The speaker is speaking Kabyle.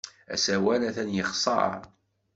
Asawal atan yexṣer.